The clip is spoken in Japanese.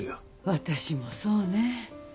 私もそうね。